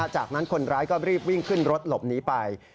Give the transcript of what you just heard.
จากนั้นคนร้ายก็รีบวิ่งขึ้นรถหลบหนีไป